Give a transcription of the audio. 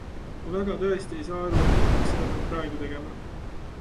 Ma väga tõesti ei saa aru, miks seda peab praegu tegema.